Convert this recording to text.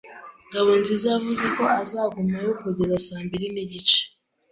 Ngabonziza yavuze ko azagumayo kugeza saa mbiri n'igice.